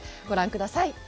ご覧ください。